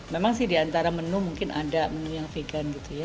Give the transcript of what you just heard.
memang sih diantara menu mungkin ada menu yang vegan gitu ya